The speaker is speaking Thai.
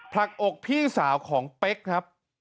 ผลักอกพี่สาวของเป๊กครับ